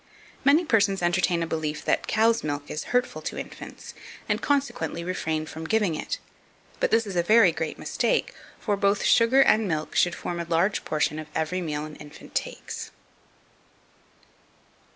2508. Many persons entertain a belief that cow's milk is hurtful to infants, and, consequently, refrain from giving it; but this is a very great mistake, for both sugar and milk should form a large portion of every meal an infant takes.